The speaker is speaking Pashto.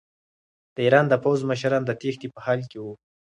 د ایران د پوځ مشران د تېښتې په حال کې وو.